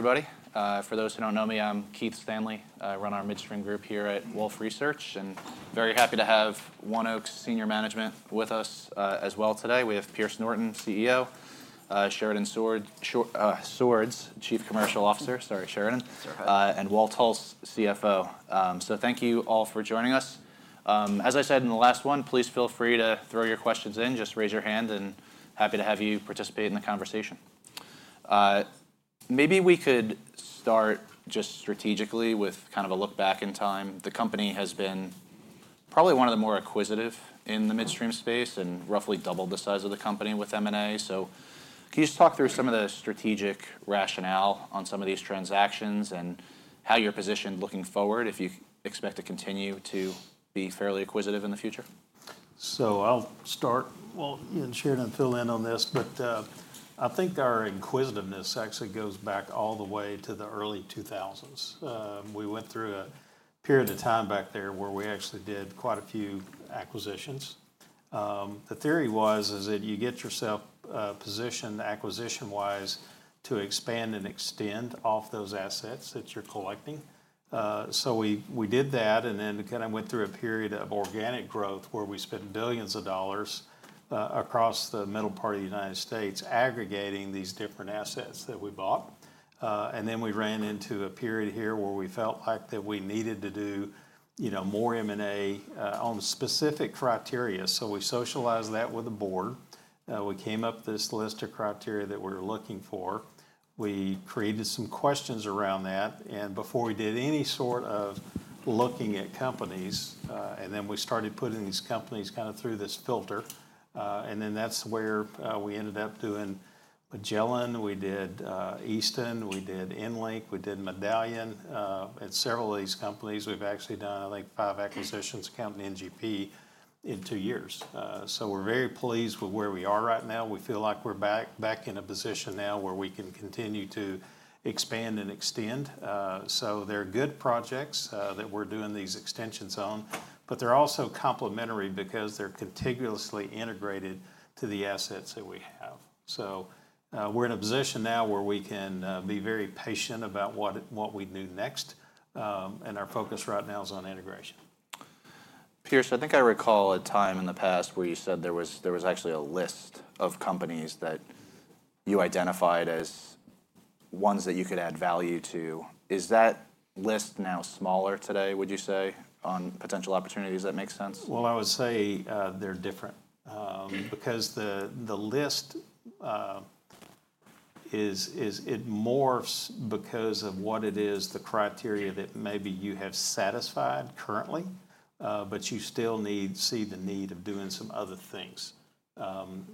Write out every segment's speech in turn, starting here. Everybody. For those who don't know me, I'm Keith Stanley. I run our Midstream Group here at Wolfe Research, and I'm very happy to have ONEOK's senior management with us as well today. We have Pierce Norton, CEO, Sheridan Swords, Chief Commercial Officer, sorry, Sheridan, and Walt Hulse, CFO. So thank you all for joining us. As I said in the last one, please feel free to throw your questions in. Just raise your hand, and happy to have you participate in the conversation. Maybe we could start just strategically with kind of a look back in time. The company has been probably one of the more acquisitive in the Midstream space and roughly doubled the size of the company with M&A. So can you just talk through some of the strategic rationale on some of these transactions and how you're positioned looking forward if you expect to continue to be fairly acquisitive in the future? So I'll start, well, Sheridan will fill in on this, but I think our inquisitiveness actually goes back all the way to the early 2000s. We went through a period of time back there where we actually did quite a few acquisitions. The theory was that you get yourself positioned acquisition-wise to expand and extend off those assets that you're collecting. So we did that, and then kind of went through a period of organic growth where we spent billions of dollars across the middle part of the United States aggregating these different assets that we bought. And then we ran into a period here where we felt like that we needed to do more M&A on specific criteria. So we socialized that with the board. We came up with this list of criteria that we were looking for. We created some questions around that. And before we did any sort of looking at companies, and then we started putting these companies kind of through this filter, and then that's where we ended up doing Magellan. We did Easton. We did EnLink. We did Medallion. At several of these companies, we've actually done, I think, five acquisitions counting G&P in two years. So we're very pleased with where we are right now. We feel like we're back in a position now where we can continue to expand and extend. So there are good projects that we're doing these extensions on, but they're also complementary because they're contiguously integrated to the assets that we have. So we're in a position now where we can be very patient about what we do next, and our focus right now is on integration. Pierce, I think I recall a time in the past where you said there was actually a list of companies that you identified as ones that you could add value to. Is that list now smaller today, would you say, on potential opportunities? Does that make sense? Well, I would say they're different because the list morphs because of what it is, the criteria that maybe you have satisfied currently, but you still see the need of doing some other things.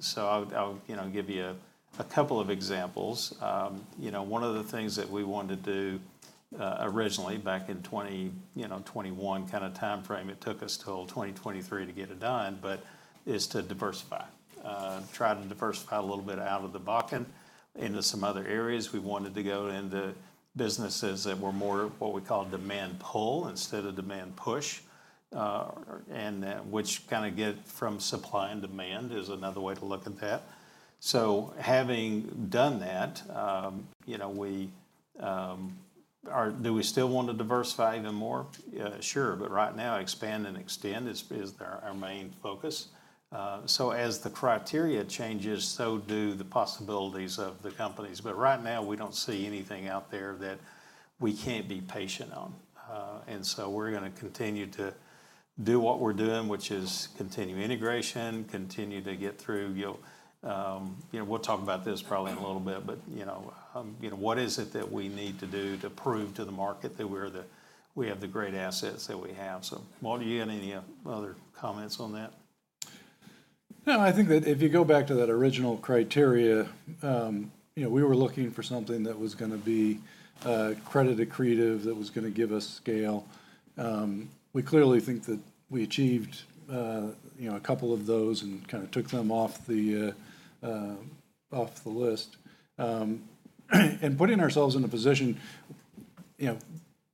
So I'll give you a couple of examples. One of the things that we wanted to do originally back in 2021 kind of time frame, it took us till 2023 to get it done, but is to diversify, try to diversify a little bit out of the Bakken into some other areas. We wanted to go into businesses that were more what we call demand pull instead of demand push, which kind of get from supply and demand is another way to look at that. So having done that, do we still want to diversify even more? Sure, but right now expand and extend is our main focus. As the criteria changes, so do the possibilities of the companies. But right now, we don't see anything out there that we can't be patient on. We're going to continue to do what we're doing, which is continue integration, continue to get through. We'll talk about this probably in a little bit, but what is it that we need to do to prove to the market that we have the great assets that we have? Walt, do you have any other comments on that? No, I think that if you go back to that original criteria, we were looking for something that was going to be credit accretive that was going to give us scale. We clearly think that we achieved a couple of those and kind of took them off the list, and putting ourselves in a position,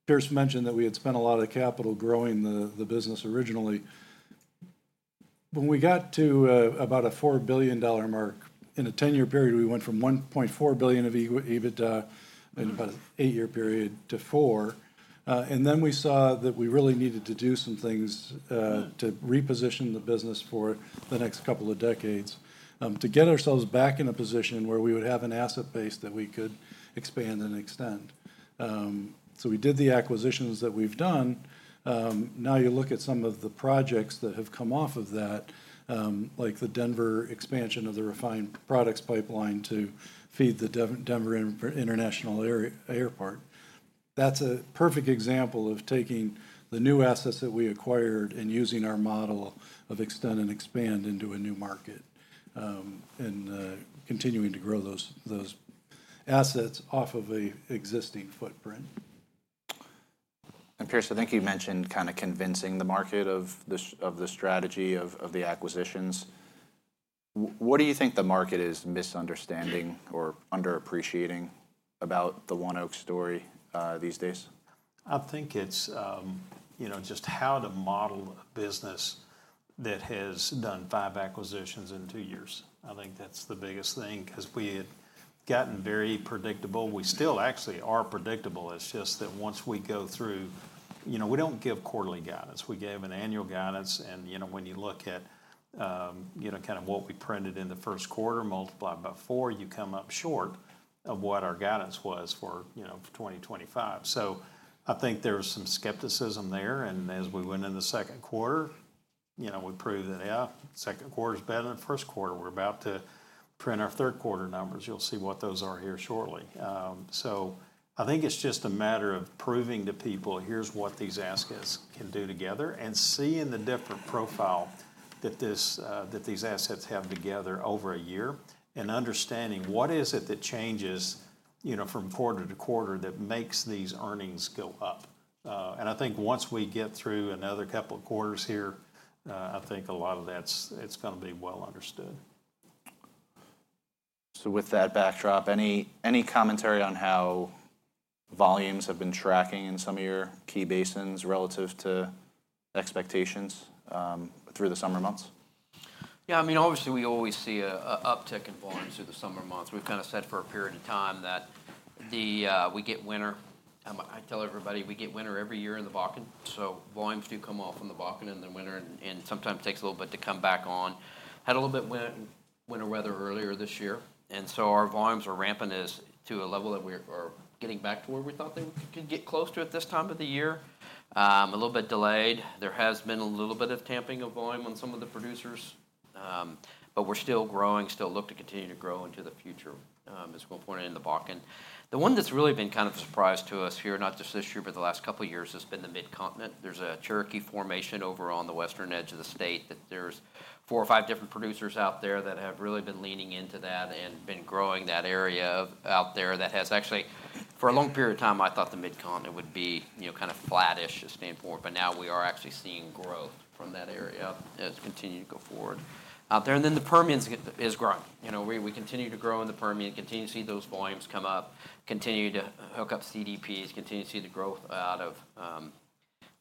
Pierce mentioned that we had spent a lot of capital growing the business originally. When we got to about a $4 billion mark, in a 10-year period, we went from $1.4 billion of EBITDA in about an eight-year period to $4 billion, and then we saw that we really needed to do some things to reposition the business for the next couple of decades to get ourselves back in a position where we would have an asset base that we could expand and extend, so we did the acquisitions that we've done. Now you look at some of the projects that have come off of that, like the Denver expansion of the refined products pipeline to feed the Denver International Airport. That's a perfect example of taking the new assets that we acquired and using our model of extend and expand into a new market and continuing to grow those assets off of an existing footprint. And Pierce, I think you mentioned kind of convincing the market of the strategy of the acquisitions. What do you think the market is misunderstanding or underappreciating about the ONEOK story these days? I think it's just how to model a business that has done five acquisitions in two years. I think that's the biggest thing because we had gotten very predictable. We still actually are predictable. It's just that once we go through, we don't give quarterly guidance. We gave an annual guidance, and when you look at kind of what we printed in the first quarter multiplied by four, you come up short of what our guidance was for 2025. So I think there was some skepticism there, and as we went into the second quarter, we proved that, yeah, second quarter's better than first quarter. We're about to print our third quarter numbers. You'll see what those are here shortly. I think it's just a matter of proving to people, here's what these assets can do together, and seeing the different profile that these assets have together over a year and understanding what is it that changes from quarter to quarter that makes these earnings go up. I think once we get through another couple of quarters here, I think a lot of that's going to be well understood. So with that backdrop, any commentary on how volumes have been tracking in some of your key basins relative to expectations through the summer months? Yeah, I mean, obviously, we always see an uptick in volumes through the summer months. We've kind of said for a period of time that we get winter. I tell everybody we get winter every year in the Bakken. So volumes do come off in the Bakken in the winter, and sometimes it takes a little bit to come back on. Had a little bit of winter weather earlier this year, and so our volumes are ramping to a level that we are getting back to where we thought they could get close to at this time of the year. A little bit delayed. There has been a little bit of tamping of volume on some of the producers, but we're still growing, still look to continue to grow into the future as we're pointing in the Bakken. The one that's really been kind of a surprise to us here, not just this year, but the last couple of years, has been the Mid-Continent. There's a Cherokee Formation over on the western edge of the state that there's four or five different producers out there that have really been leaning into that and been growing that area out there that has actually, for a long period of time, I thought the Mid-Continent would be kind of flattish as standpoint, but now we are actually seeing growth from that area as we continue to go forward out there. And then the Permian is growing. We continue to grow in the Permian, continue to see those volumes come up, continue to hook up CDPs, continue to see the growth out of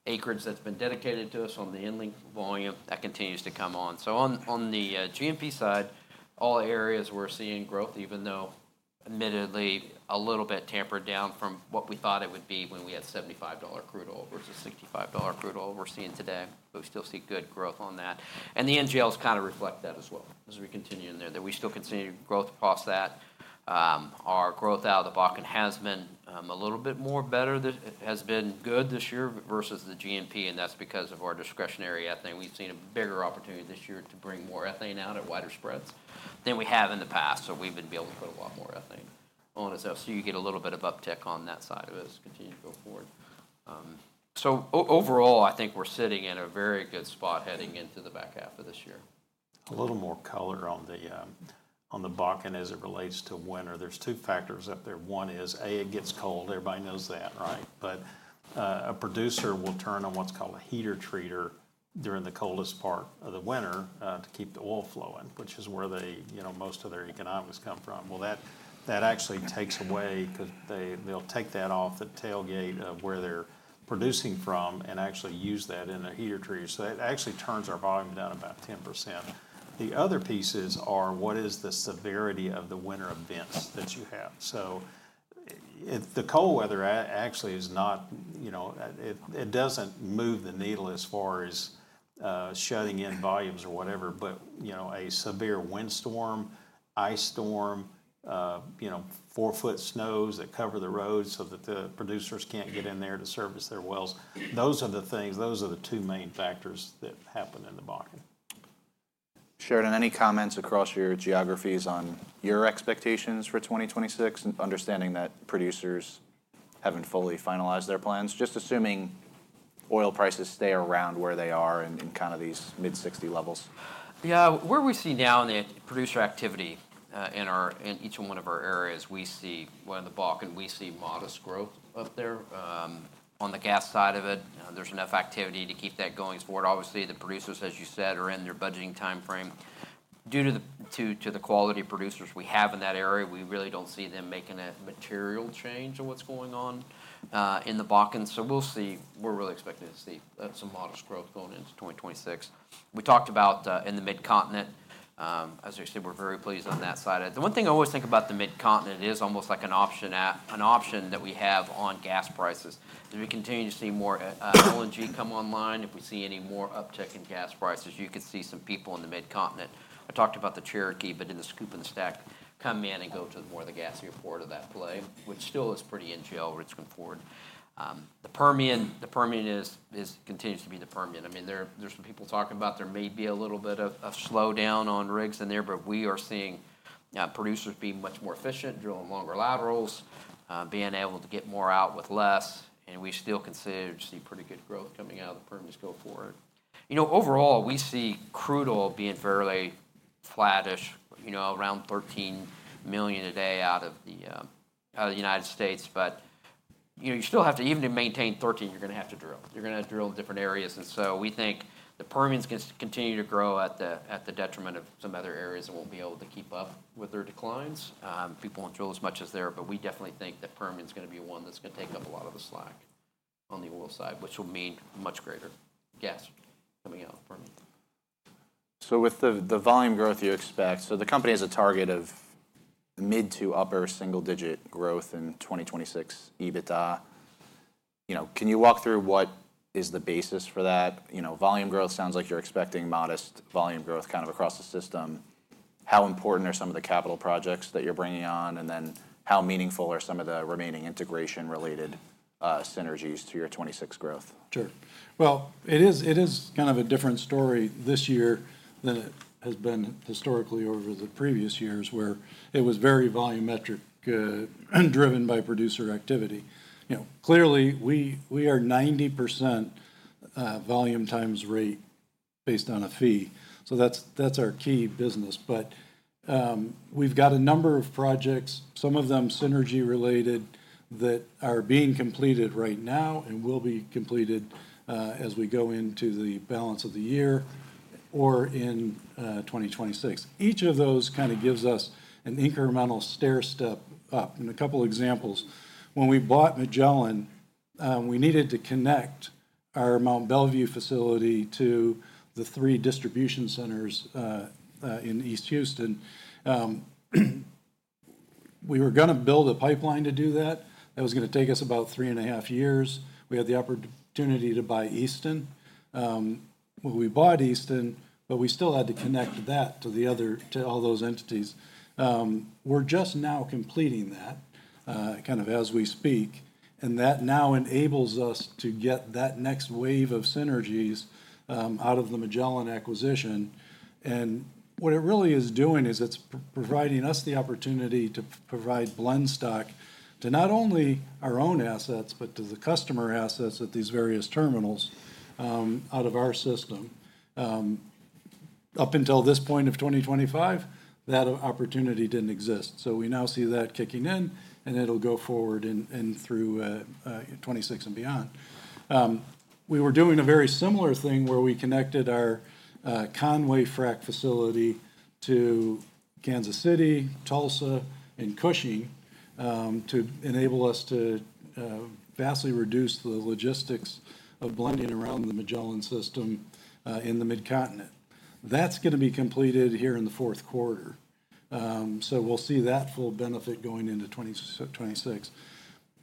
acreage that's been dedicated to us on the EnLink volume that continues to come on. So on the GMP side, all areas we're seeing growth, even though admittedly a little bit tempered down from what we thought it would be when we had $75 crude oil versus $65 crude oil we're seeing today. We still see good growth on that. And the NGLs kind of reflect that as well as we continue in there, that we still continue growth across that. Our growth out of the Bakken has been a little bit more better than it has been good this year versus the GMP, and that's because of our discretionary ethane. We've seen a bigger opportunity this year to bring more ethane out at wider spreads than we have in the past. So we've been able to put a lot more ethane on ourselves. So you get a little bit of uptick on that side of us continuing to go forward. So overall, I think we're sitting in a very good spot heading into the back half of this year. A little more color on the Bakken as it relates to winter. There's two factors up there. One is, A, it gets cold. Everybody knows that, right? But a producer will turn on what's called a heater treater during the coldest part of the winter to keep the oil flowing, which is where most of their economics come from. Well, that actually takes away because they'll take that off the tailgate of where they're producing from and actually use that in a heater treater. So that actually turns our volume down about 10%. The other pieces are what is the severity of the winter events that you have. So the cold weather actually is not. It doesn't move the needle as far as shutting in volumes or whatever, but a severe windstorm, ice storm, four-foot snows that cover the roads so that the producers can't get in there to service their wells. Those are the things. Those are the two main factors that happen in the Bakken. Sheridan, any comments across your geographies on your expectations for 2026, understanding that producers haven't fully finalized their plans, just assuming oil prices stay around where they are in kind of these mid-$60 levels? Yeah, where we see now in the producer activity in each one of our areas, we see in the Bakken, we see modest growth up there. On the gas side of it, there's enough activity to keep that going forward. Obviously, the producers, as you said, are in their budgeting time frame. Due to the quality of producers we have in that area, we really don't see them making a material change of what's going on in the Bakken. So we'll see. We're really expecting to see some modest growth going into 2026. We talked about in the Mid-Continent, as I said, we're very pleased on that side. The one thing I always think about the Mid-Continent is almost like an option that we have on gas prices. As we continue to see more LNG come online, if we see any more uptick in gas prices, you could see some people in the Mid-Continent. I talked about the Cherokee, but in the SCOOP and STACK, come in and go to more of the gassier part of that play, which still is pretty NGL-rich. The Permian continues to be the Permian. I mean, there's some people talking about there may be a little bit of a slowdown on rigs in there, but we are seeing producers being much more efficient, drilling longer laterals, being able to get more out with less. And we still continue to see pretty good growth coming out of the Permian going forward. Overall, we see crude oil being fairly flattish, around 13 million a day out of the United States. But you still have to, even to maintain 13 million, you're going to have to drill. You're going to have to drill in different areas. And so we think the Permian can continue to grow at the detriment of some other areas that won't be able to keep up with their declines. People won't drill as much as there, but we definitely think the Permian is going to be one that's going to take up a lot of the slack on the oil side, which will mean much greater gas coming out of the Permian. With the volume growth you expect, so the company has a target of mid- to upper single-digit growth in 2026 EBITDA. Can you walk through what is the basis for that? Volume growth sounds like you're expecting modest volume growth kind of across the system. How important are some of the capital projects that you're bringing on? And then how meaningful are some of the remaining integration-related synergies to your 2026 growth? Sure. Well, it is kind of a different story this year than it has been historically over the previous years where it was very volumetric driven by producer activity. Clearly, we are 90% volume times rate based on a fee. So that's our key business. But we've got a number of projects, some of them synergy-related that are being completed right now and will be completed as we go into the balance of the year or in 2026. Each of those kind of gives us an incremental stair step up. And a couple of examples, when we bought Magellan, we needed to connect our Mont Belvieu facility to the three distribution centers in East Houston. We were going to build a pipeline to do that. That was going to take us about three and a half years. We had the opportunity to buy Easton. When we bought Easton, but we still had to connect that to all those entities. We're just now completing that kind of as we speak, and that now enables us to get that next wave of synergies out of the Magellan acquisition, and what it really is doing is it's providing us the opportunity to provide blend stock to not only our own assets, but to the customer assets at these various terminals out of our system. Up until this point of 2025, that opportunity didn't exist. So we now see that kicking in, and it'll go forward and through 2026 and beyond. We were doing a very similar thing where we connected our Conway frac facility to Kansas City, Tulsa, and Cushing to enable us to vastly reduce the logistics of blending around the Magellan system in the Mid-Continent. That's going to be completed here in the fourth quarter. We'll see that full benefit going into 2026.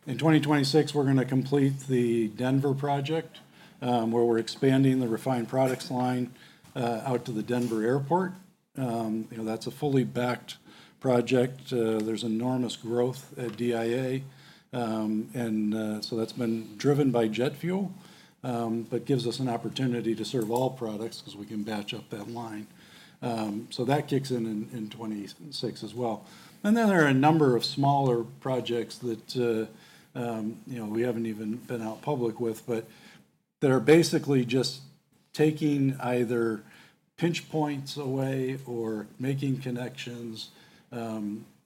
In 2026, we're going to complete the Denver project where we're expanding the refined products line out to the Denver Airport. That's a fully backed project. There's enormous growth at DIA, and so that's been driven by jet fuel, but gives us an opportunity to serve all products because we can batch up that line, so that kicks in in 2026 as well, and then there are a number of smaller projects that we haven't even been out public with, but they're basically just taking either pinch points away or making connections.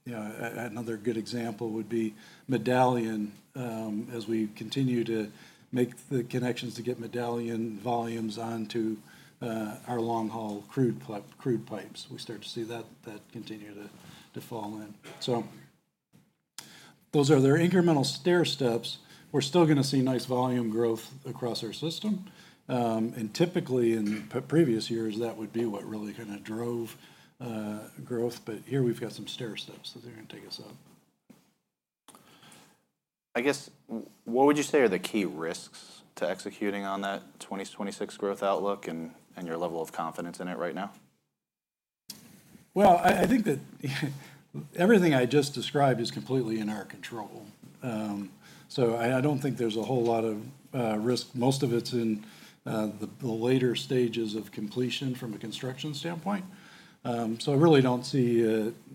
Another good example would be Medallion as we continue to make the connections to get Medallion volumes onto our long-haul crude pipes. We start to see that continue to fall in. Those are their incremental stair steps. We're still going to see nice volume growth across our system. Typically in previous years, that would be what really kind of drove growth. Here we've got some stair steps that are going to take us up. I guess, what would you say are the key risks to executing on that 2026 growth outlook and your level of confidence in it right now? I think that everything I just described is completely in our control. So I don't think there's a whole lot of risk. Most of it's in the later stages of completion from a construction standpoint. So I really don't see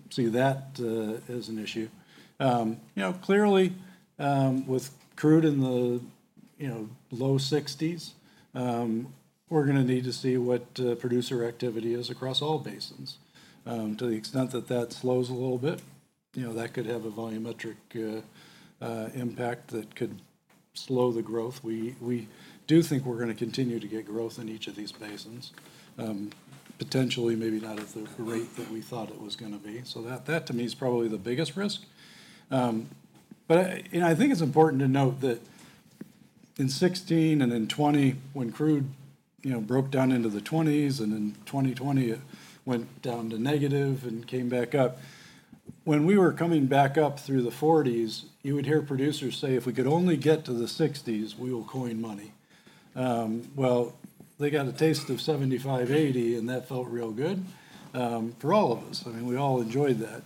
that as an issue. Clearly, with crude in the low 60s, we're going to need to see what producer activity is across all basins. To the extent that that slows a little bit, that could have a volumetric impact that could slow the growth. We do think we're going to continue to get growth in each of these basins, potentially maybe not at the rate that we thought it was going to be. So that to me is probably the biggest risk. But I think it's important to note that in 2016 and in 2020, when crude broke down into the $20s and in 2020 it went down to negative and came back up, when we were coming back up through the $40s, you would hear producers say, "If we could only get to the $60s, we will coin money." Well, they got a taste of $75, $80, and that felt real good for all of us. I mean, we all enjoyed that.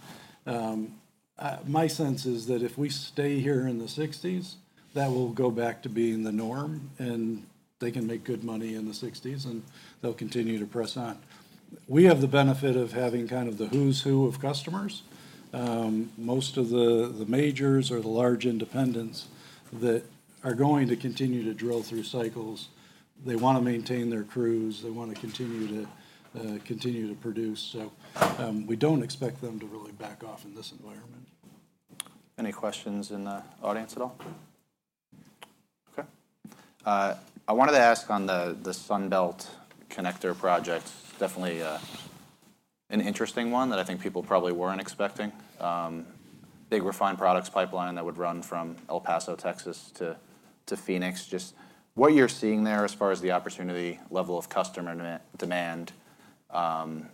My sense is that if we stay here in the $60s, that will go back to being the norm, and they can make good money in the $60s, and they'll continue to press on. We have the benefit of having kind of the who's who of customers. Most of the majors or the large independents that are going to continue to drill through cycles. They want to maintain their crews. They want to continue to produce, so we don't expect them to really back off in this environment. Any questions in the audience at all? Okay. I wanted to ask on the Sun Belt Connector project. It's definitely an interesting one that I think people probably weren't expecting. Big refined products pipeline that would run from El Paso, Texas to Phoenix. Just what you're seeing there as far as the opportunity level of customer demand and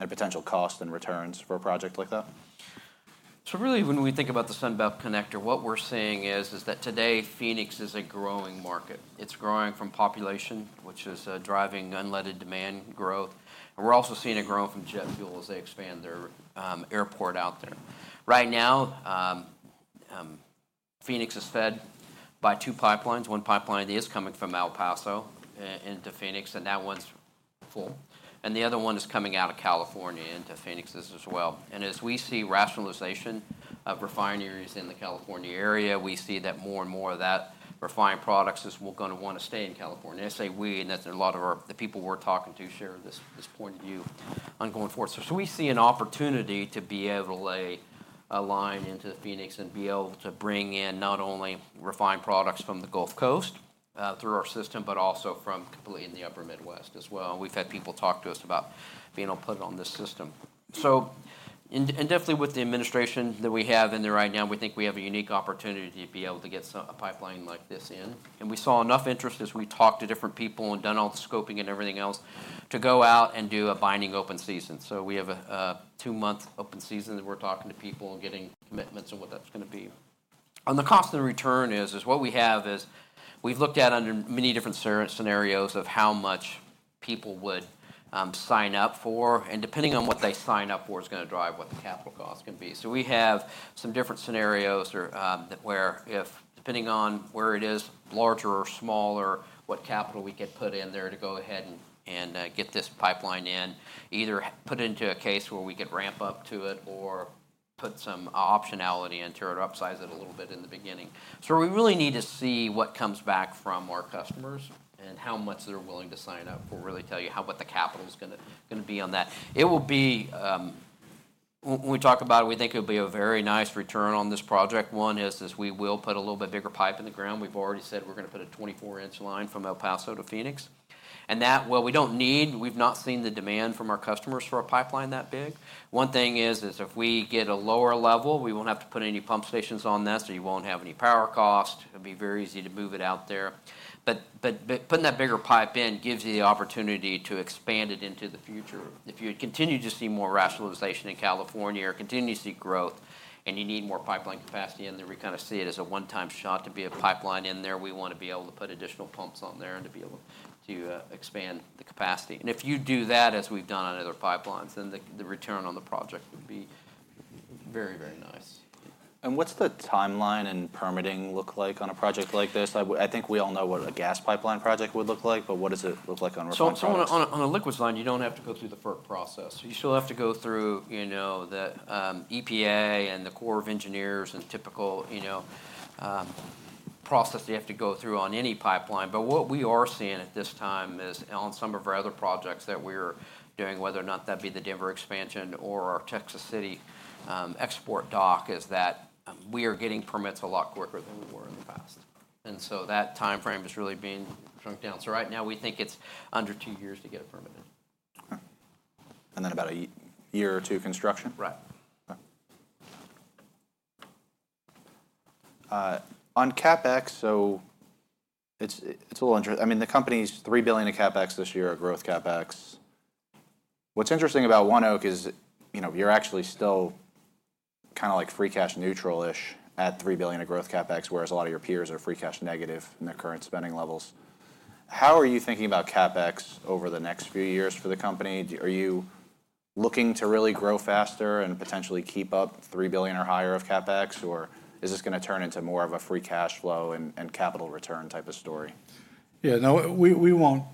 potential cost and returns for a project like that? So really, when we think about the Sun Belt Connector, what we're seeing is that today Phoenix is a growing market. It's growing from population, which is driving unleaded demand growth. And we're also seeing it grow from jet fuel as they expand their airport out there. Right now, Phoenix is fed by two pipelines. One pipeline is coming from El Paso into Phoenix, and that one's full. And the other one is coming out of California into Phoenix as well. And as we see rationalization of refinery in the California area, we see that more and more of that refined products will want to stay in California. I say "we" in that a lot of the people we're talking to share this point of view going forward. So we see an opportunity to be able to lay a line into Phoenix and be able to bring in not only refined products from the Gulf Coast through our system, but also from completely in the Upper Midwest as well. We've had people talk to us about being able to put it on this system. So definitely with the administration that we have in there right now, we think we have a unique opportunity to be able to get a pipeline like this in. And we saw enough interest as we talked to different people and done all the scoping and everything else to go out and do a Binding Open Season. So we have a two-months Open Season that we're talking to people and getting commitments and what that's going to be. On the cost and return, what we have is we've looked at under many different scenarios of how much people would sign up for. And depending on what they sign up for is going to drive what the capital cost can be. So we have some different scenarios where if depending on where it is, larger or smaller, what capital we could put in there to go ahead and get this pipeline in, either put it into a case where we could ramp up to it or put some optionality into it or upsize it a little bit in the beginning. So we really need to see what comes back from our customers and how much they're willing to sign up. That'll really tell you what the capital is going to be on that. It will be, when we talk about it, we think it will be a very nice return on this project. One is we will put a little bit bigger pipe in the ground. We've already said we're going to put a 24-inch line from El Paso to Phoenix. And that, well, we don't need. We've not seen the demand from our customers for a pipeline that big. One thing is if we get a lower level, we won't have to put any pump stations on this, so you won't have any power cost. It'll be very easy to move it out there, but putting that bigger pipe in gives you the opportunity to expand it into the future. If you continue to see more rationalization in California or continue to see growth and you need more pipeline capacity in there, we kind of see it as a one-time shot to be a pipeline in there. We want to be able to put additional pumps on there and to be able to expand the capacity. And if you do that as we've done on other pipelines, then the return on the project would be very, very nice. What's the timeline and permitting look like on a project like this? I think we all know what a gas pipeline project would look like, but what does it look like on refined pipelines? So on a liquid line, you don't have to go through the FERC process. You still have to go through the EPA and the Corps of Engineers and typical process that you have to go through on any pipeline. But what we are seeing at this time is on some of our other projects that we're doing, whether or not that be the Denver expansion or our Texas City export dock, is that we are getting permits a lot quicker than we were in the past. And so that timeframe is really being shrunk down. So right now, we think it's under two years to get it permitted. And then about a year or two construction? Right. On CapEx, so it's a little interesting. I mean, the company's $3 billion of CapEx this year, a growth CapEx. What's interesting about ONEOK is you're actually still kind of like free cash neutral-ish at $3 billion of growth CapEx, whereas a lot of your peers are free cash negative in their current spending levels. How are you thinking about CapEx over the next few years for the company? Are you looking to really grow faster and potentially keep up $3 billion or higher of CapEx, or is this going to turn into more of a free cash flow and capital return type of story? Yeah, no, we won't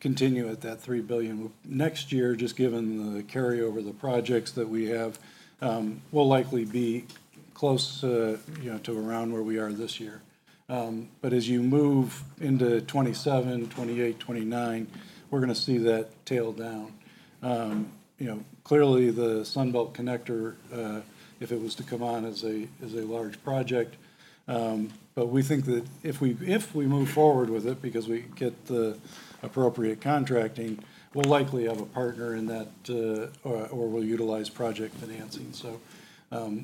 continue at that $3 billion. Next year, just given the carryover of the projects that we have, we'll likely be close to around where we are this year. But as you move into 2027, 2028, 2029, we're going to see that tail down. Clearly, the Sun Belt Connector, if it was to come on as a large project. But we think that if we move forward with it because we get the appropriate contracting, we'll likely have a partner in that or we'll utilize project financing. So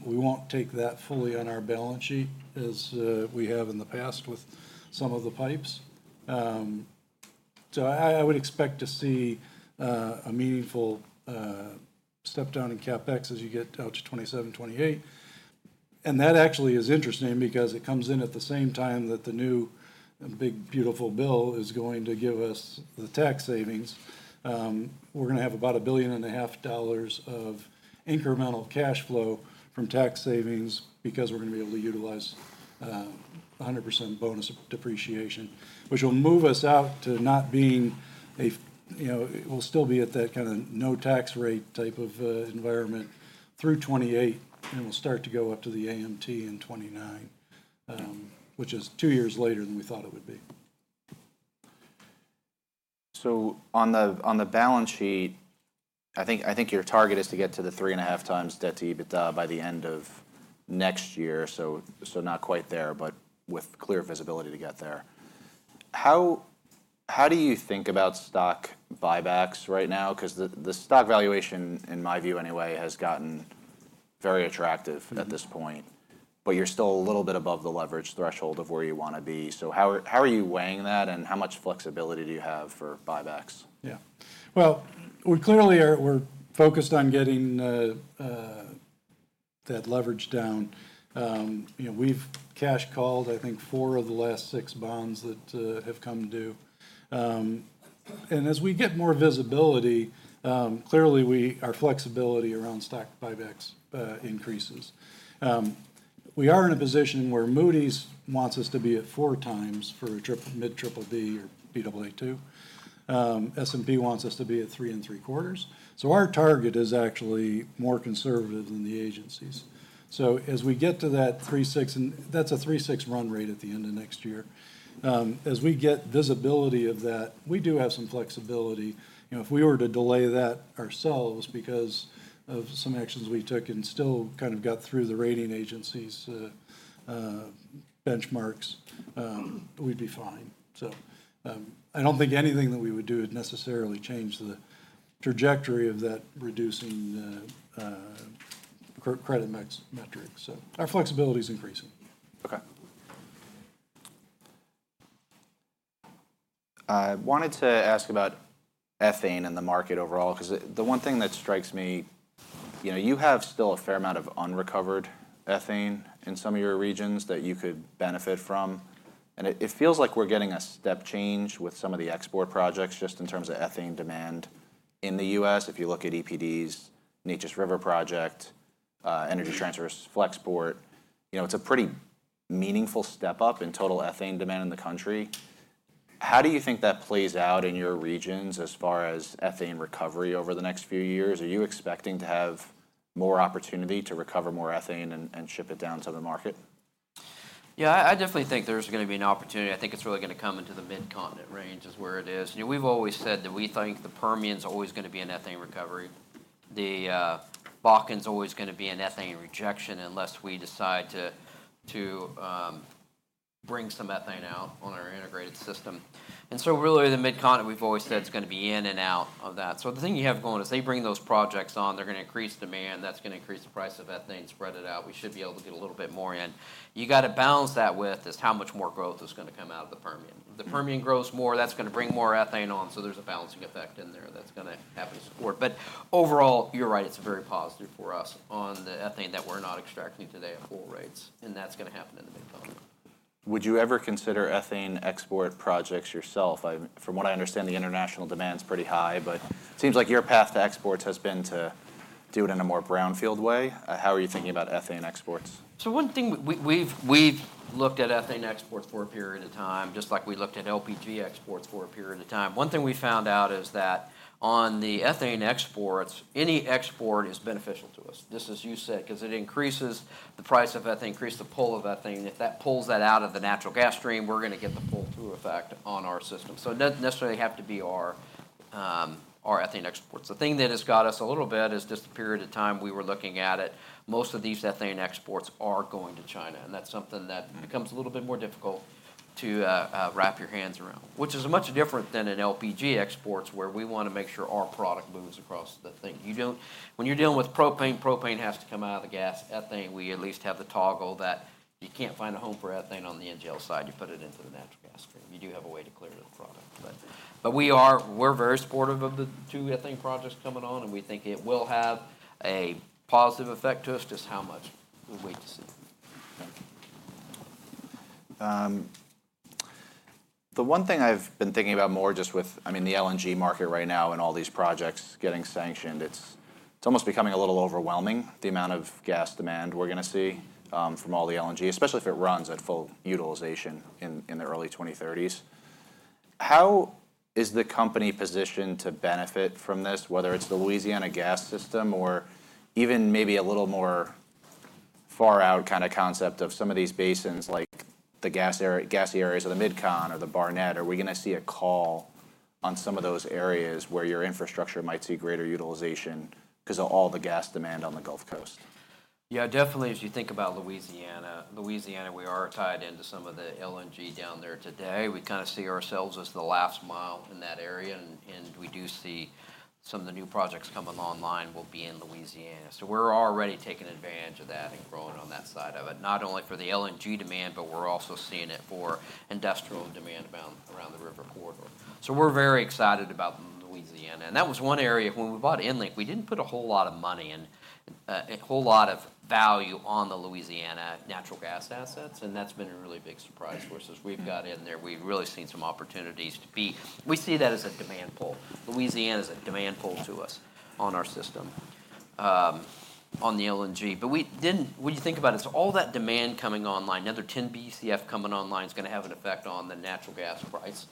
we won't take that fully on our balance sheet as we have in the past with some of the pipes. So I would expect to see a meaningful step down in CapEx as you get out to 2027, 2028. That actually is interesting because it comes in at the same time that the new big, beautiful bill is going to give us the tax savings. We're going to have about $1.5 billion of incremental cash flow from tax savings because we're going to be able to utilize 100% bonus depreciation, which will move us out to not being a we'll still be at that kind of no tax rate type of environment through 2028, and we'll start to go up to the AMT in 2029, which is two years later than we thought it would be. So on the balance sheet, I think your target is to get to the three and a half times debt to EBITDA by the end of next year. So not quite there, but with clear visibility to get there. How do you think about stock buybacks right now? Because the stock valuation, in my view anyway, has gotten very attractive at this point, but you're still a little bit above the leverage threshold of where you want to be. So how are you weighing that, and how much flexibility do you have for buybacks? Yeah. Well, we clearly are focused on getting that leverage down. We've called, I think, four of the last six bonds that have come due. And as we get more visibility, clearly, our flexibility around stock buybacks increases. We are in a position where Moody's wants us to be at four times for a mid BBB or Baa2. S&P wants us to be at three and three quarters. So our target is actually more conservative than the agencies. So as we get to that 3.6, and that's a 3.6 run rate at the end of next year. As we get visibility of that, we do have some flexibility. If we were to delay that ourselves because of some actions we took and still kind of got through the rating agencies' benchmarks, we'd be fine. So, I don't think anything that we would do would necessarily change the trajectory of that reducing credit metrics. So, our flexibility is increasing. Okay. I wanted to ask about ethane and the market overall because the one thing that strikes me, you have still a fair amount of unrecovered ethane in some of your regions that you could benefit from. And it feels like we're getting a step change with some of the export projects just in terms of ethane demand in the U.S. If you look at EPD's, Neches River Project, Energy Transfer's, Flexport, it's a pretty meaningful step up in total ethane demand in the country. How do you think that plays out in your regions as far as ethane recovery over the next few years? Are you expecting to have more opportunity to recover more ethane and ship it down to the market? Yeah, I definitely think there's going to be an opportunity. I think it's really going to come into the Mid-Continent range is where it is. We've always said that we think the Permian is always going to be an ethane recovery. The Bakken is always going to be an ethane rejection unless we decide to bring some ethane out on our integrated system. And so really, the Mid-Continent, we've always said it's going to be in and out of that. So the thing you have going is they bring those projects on, they're going to increase demand, that's going to increase the price of ethane spread out. We should be able to get a little bit more in. You got to balance that with how much more growth is going to come out of the Permian. The Permian grows more, that's going to bring more ethane on. So there's a balancing effect in there that's going to happen to support. But overall, you're right, it's very positive for us on the ethane that we're not extracting today at full rates, and that's going to happen in the Mid-Continent. Would you ever consider ethane export projects yourself? From what I understand, the international demand is pretty high, but it seems like your path to exports has been to do it in a more brownfield way. How are you thinking about ethane exports? So one thing, we've looked at ethane exports for a period of time, just like we looked at LPG exports for a period of time. One thing we found out is that on the ethane exports, any export is beneficial to us. This is, you said, because it increases the price of ethane, increases the pull of ethane. If that pulls that out of the natural gas stream, we're going to get the pull-through effect on our system. So it doesn't necessarily have to be our ethane exports. The thing that has got us a little bit is just the period of time we were looking at it, most of these ethane exports are going to China. That's something that becomes a little bit more difficult to wrap your hands around, which is much different than in LPG exports where we want to make sure our product moves across the thing. When you're dealing with propane, propane has to come out of the gas. Ethane, we at least have the toggle that you can't find a home for ethane on the NGL side. You put it into the natural gas stream. You do have a way to clear the product. But we're very supportive of the two ethane projects coming on, and we think it will have a positive effect to us. Just how much, we'll wait to see. The one thing I've been thinking about more just with, I mean, the LNG market right now and all these projects getting sanctioned, it's almost becoming a little overwhelming, the amount of gas demand we're going to see from all the LNG, especially if it runs at full utilization in the early 2030s. How is the company positioned to benefit from this, whether it's the Louisiana Gas System or even maybe a little more far-out kind of concept of some of these basins like the gas areas of the Mid-Continent or the Barnett? Are we going to see a call on some of those areas where your infrastructure might see greater utilization because of all the gas demand on the Gulf Coast? Yeah, definitely, as you think about Louisiana, Louisiana, we are tied into some of the LNG down there today. We kind of see ourselves as the last mile in that area and we do see some of the new projects coming online will be in Louisiana so we're already taking advantage of that and growing on that side of it, not only for the LNG demand, but we're also seeing it for industrial demand around the river corridor so we're very excited about Louisiana and that was one area when we bought EnLink, we didn't put a whole lot of money and a whole lot of value on the Louisiana natural gas assets and that's been a really big surprise for us as we've got in there. We've really seen some opportunities to be. We see that as a demand pull. Louisiana is a Demand Pull to us on our system on the LNG, but when you think about it, it's all that demand coming online. Another 10 BCF coming online is going to have an effect on the natural gas price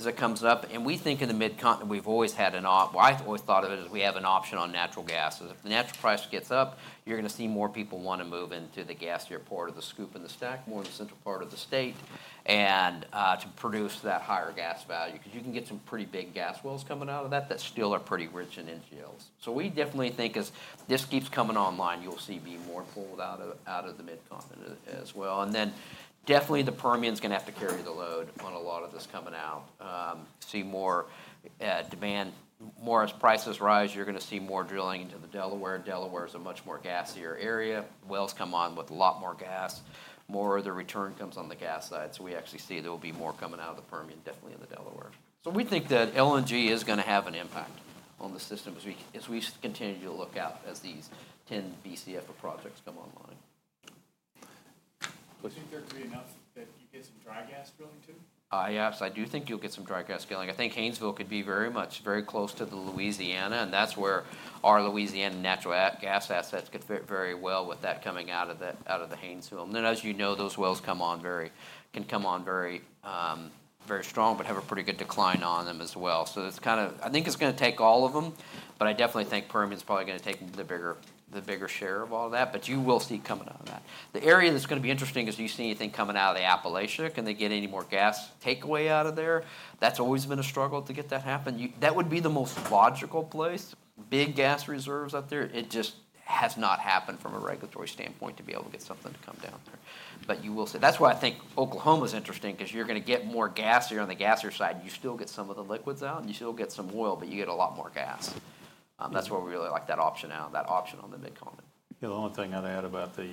as it comes up, and we think in the Mid-Continent, we've always had an option. Well, I've always thought of it as we have an option on natural gas. As the natural price gets up, you're going to see more people want to move into the gassier part of the SCOOP and the STACK, more in the central part of the state to produce that higher gas value because you can get some pretty big gas wells coming out of that that still are pretty rich in NGLs. So we definitely think as this keeps coming online, you'll see more pulled out of the Mid-Continent as well. And then, definitely, the Permian is going to have to carry the load on a lot of this coming out. We'll see more demand as prices rise. You're going to see more drilling into the Delaware. Delaware is a much more gassier area. Wells come on with a lot more gas. More of the return comes on the gas side. So we actually see there will be more coming out of the Permian, definitely in the Delaware. So we think that LNG is going to have an impact on the system as we continue to look out as these 10 BCF projects come online. Do you think there could be enough that you get some dry gas drilling too? Yes, I do think you'll get some dry gas drilling. I think Haynesville could be very much very close to the Louisiana, and that's where our Louisiana natural gas assets could fit very well with that coming out of the Haynesville. And then, as you know, those wells can come on very strong, but have a pretty good decline on them as well. So it's kind of I think it's going to take all of them, but I definitely think Permian is probably going to take the bigger share of all of that. But you will see coming out of that. The area that's going to be interesting is do you see anything coming out of the Appalachia? Can they get any more gas takeaway out of there? That's always been a struggle to get that happen. That would be the most logical place. Big gas reserves up there. It just has not happened from a regulatory standpoint to be able to get something to come down there. But you will see. That's why I think Oklahoma is interesting because you're going to get more gassier on the gassier side. You still get some of the liquids out, and you still get some oil, but you get a lot more gas. That's why we really like that option out, that option on the Mid-Continent. Yeah, the only thing I'd add about the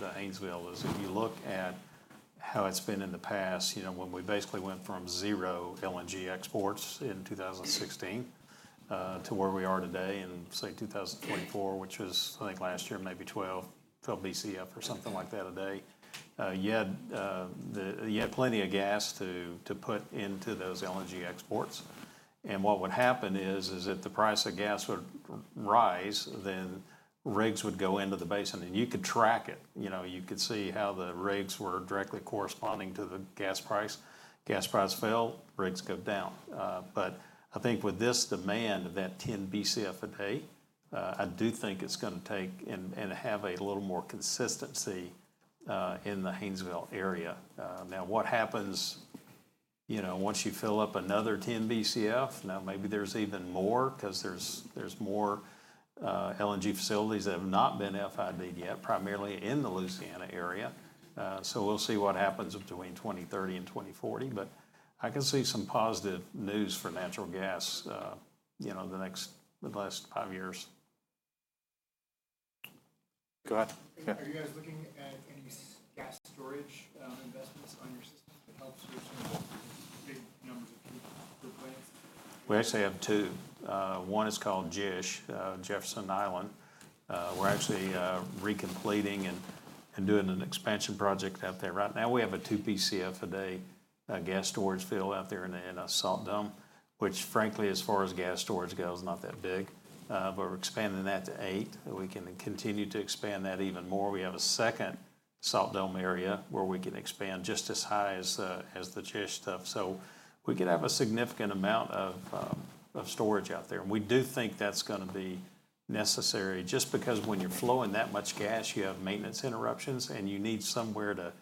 Haynesville is if you look at how it's been in the past, when we basically went from zero LNG exports in 2016 to where we are today in, say, 2024, which was, I think, last year, maybe 12 Bcf or something like that a day, you had plenty of gas to put into those LNG exports. And what would happen is if the price of gas would rise, then rigs would go into the basin. And you could track it. You could see how the rigs were directly corresponding to the gas price. Gas price fell, rigs go down. But I think with this demand of that 10 Bcf a day, I do think it's going to take and have a little more consistency in the Haynesville area. Now, what happens once you fill up another 10 Bcf? Now, maybe there's even more because there's more LNG facilities that have not been FID'd yet, primarily in the Louisiana area. So we'll see what happens between 2030 and 2040. But I can see some positive news for natural gas the next five years. Go ahead. Are you guys looking at any gas storage investments on your system to help source some of those big numbers of people for plants? We actually have two. One is called JISH, Jefferson Island. We're actually recompleting and doing an expansion project out there. Right now, we have a two Bcf a day gas storage field out there in a salt dome, which, frankly, as far as gas storage goes, not that big. But we're expanding that to eight. We can continue to expand that even more. We have a second salt dome area where we can expand just as high as the JISH stuff. So we could have a significant amount of storage out there. And we do think that's going to be necessary just because when you're flowing that much gas, you have maintenance interruptions, and you need somewhere to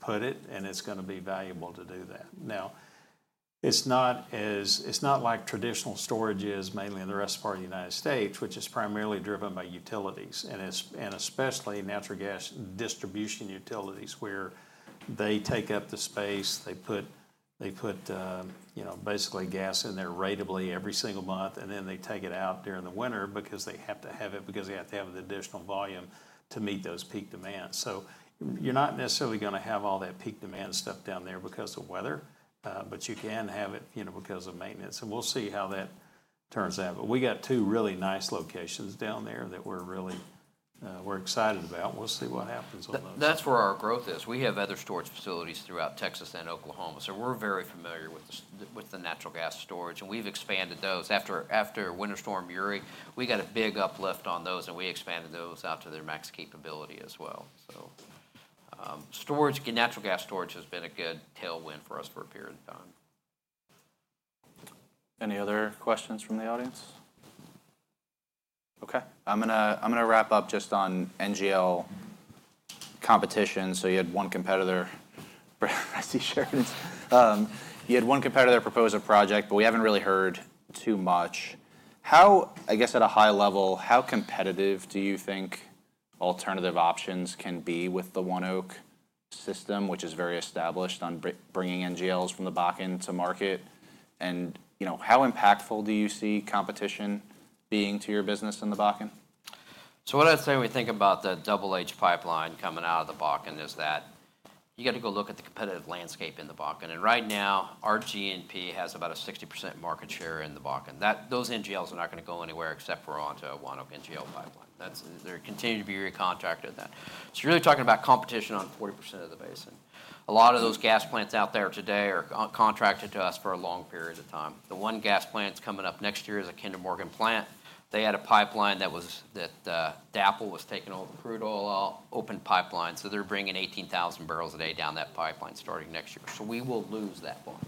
put it, and it's going to be valuable to do that. Now, it's not like traditional storage is mainly in the rest of our United States, which is primarily driven by utilities, and especially natural gas distribution utilities where they take up the space. They put basically gas in there ratably every single month, and then they take it out during the winter because they have to have it because they have to have the additional volume to meet those peak demands, so you're not necessarily going to have all that peak demand stuff down there because of weather, but you can have it because of maintenance, and we'll see how that turns out, but we got two really nice locations down there that we're excited about. We'll see what happens on those. That's where our growth is. We have other storage facilities throughout Texas and Oklahoma. So we're very familiar with the natural gas storage. And we've expanded those. After Winter Storm Uri, we got a big uplift on those, and we expanded those out to their max capability as well. So natural gas storage has been a good tailwind for us for a period of time. Any other questions from the audience? Okay. I'm going to wrap up just on NGL competition. So you had one competitor. I see share of it. You had one competitor propose a project, but we haven't really heard too much. I guess at a high level, how competitive do you think alternative options can be with the ONEOK system, which is very established on bringing NGLs from the Bakken to market? And how impactful do you see competition being to your business in the Bakken? So what I'd say when we think about the Double H Pipeline coming out of the Bakken is that you got to go look at the competitive landscape in the Bakken. And right now, our G&P has about a 60% market share in the Bakken. Those NGLs are not going to go anywhere except for onto a ONEOK NGL pipeline. They continue to be recontracted then. So you're really talking about competition on 40% of the basin. A lot of those gas plants out there today are contracted to us for a long period of time. The one gas plant's coming up next year is a Kinder Morgan plant. They had a pipeline that DAPL was taking over, crude oil open pipeline. So they're bringing 18,000 barrels a day down that pipeline starting next year. So we will lose that volume.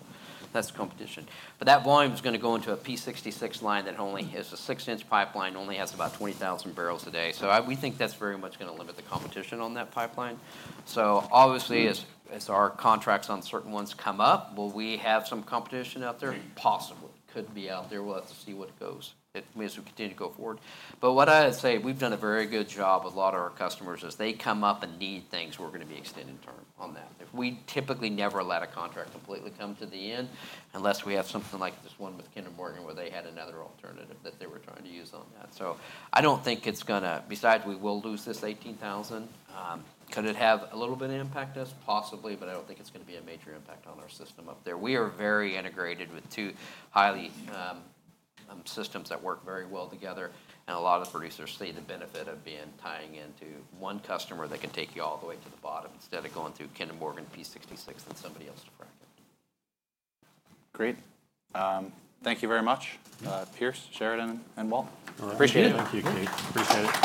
That's the competition. But that volume is going to go into a Phillips 66 line that only has a six-inch pipeline, only has about 20,000 barrels a day. So we think that's very much going to limit the competition on that pipeline. So obviously, as our contracts on certain ones come up, will we have some competition out there? Possibly. Could be out there. We'll have to see what goes as we continue to go forward. But what I'd say, we've done a very good job with a lot of our customers as they come up and need things, we're going to be extending term on that. We typically never allowed a contract completely come to the end unless we have something like this one with Kinder Morgan where they had another alternative that they were trying to use on that. So I don't think it's going to, besides we will lose this 18,000. Could it have a little bit of impact us? Possibly, but I don't think it's going to be a major impact on our system up there. We are very integrated with two highly systems that work very well together. And a lot of producers see the benefit of being tying into one customer that can take you all the way to the bottom instead of going through Kinder Morgan, P66, and somebody else to frack it. Great. Thank you very much, Pierce, Sheridan, and Walt. Appreciate it. Thank you, Keith. Appreciate it.